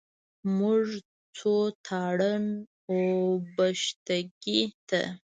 موږ ځو تارڼ اوبښتکۍ ته.